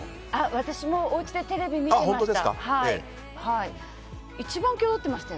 私もおうちでテレビ見てました。